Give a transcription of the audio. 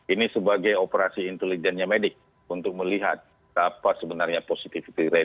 ini sebagai operasi intelijennya medik untuk melihat apa sebenarnya positivity rate